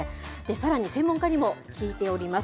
さらに専門家にも聞いております。